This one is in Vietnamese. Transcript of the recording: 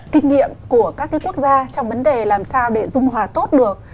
kinh nghiệm của các quốc gia trong vấn đề làm sao để dung hòa tốt được